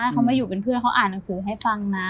เขามาอยู่เป็นเพื่อนเขาอ่านหนังสือให้ฟังนะ